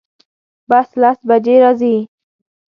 بس لس بجی راځي